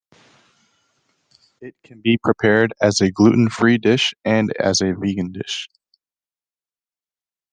It can be prepared as a gluten-free dish and as a vegan dish.